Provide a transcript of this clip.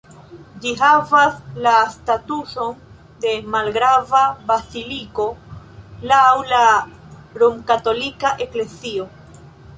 Ĝi havas la statuson de malgrava baziliko laŭ la Romkatolika Eklezio.